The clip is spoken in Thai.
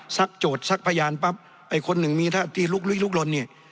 โจทย์ซักพยานปั๊บไอ้คนหนึ่งมีท่าที่ลุกลุ้ยลุกลนเนี่ย